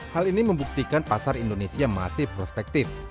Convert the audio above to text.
hal ini membuktikan pasar indonesia masih prospektif